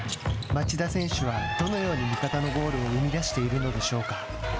町田選手はどのように味方のゴールを生み出しているのでしょうか。